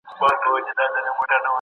زه له سهاره کتابونه لولم!.